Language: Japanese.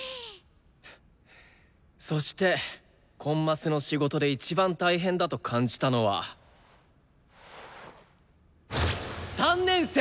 そしてコンマスの仕事でいちばん大変だと感じたのは３年生！